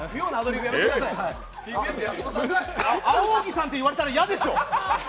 青荻さんっ言われたら嫌でしょう！